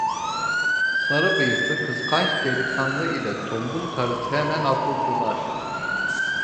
Sarı bıyıklı kıskanç delikanlı ile tombul karısı hemen atıldılar.